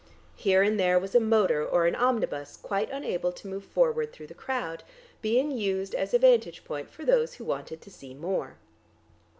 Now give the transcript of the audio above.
Here and there was a motor or an omnibus quite unable to move forward through the crowd, being used as a vantage point for those who wanted to see more.